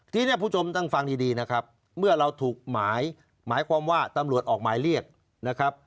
ทีนี้ผู้ชมต้องฟังดีนะครับเมื่อเราถูกหมายหมายความว่าตำรวจออกหมายเรียกนะครับ